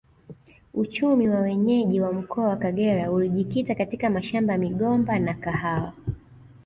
Uchumi wa wenyeji wa mkoa wa Kagera ulijikita katika mashamba ya migomba na kahawa